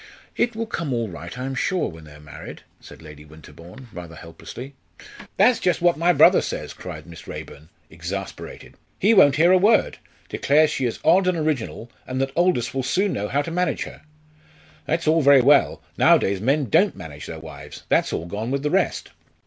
"It will all come right, I am sure, when they are married," said Lady Winterbourne, rather helplessly. "That's just what my brother says," cried Miss Raeburn, exasperated. "He won't hear a word declares she is odd and original, and that Aldous will soon know how to manage her. It's all very well; nowadays men don't manage their wives; that's all gone with the rest.